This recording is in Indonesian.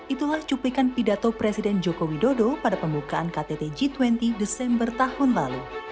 itulah cuplikan pidato presiden joko widodo pada pembukaan ktt g dua puluh desember tahun lalu